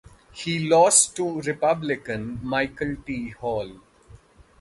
He lost to Republican Michael T. Hall.